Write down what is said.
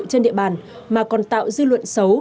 trên địa bàn mà còn tạo dư luận xấu